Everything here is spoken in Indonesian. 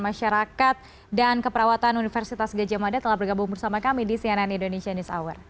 berapa persen dia bisa mengurangi angka kejadian misalnya covid sembilan belas ini